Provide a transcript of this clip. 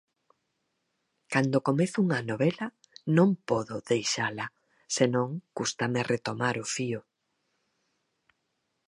Cando comezo unha novela, non podo deixala, se non, cústame retomar o fío.